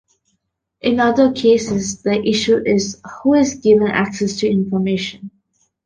In other cases the issue is who is given access to information.